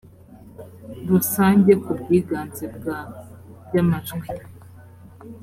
rusange ku bwiganze bwa by amajwi